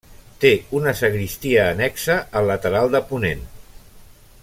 Té una sagristia annexa al lateral de ponent.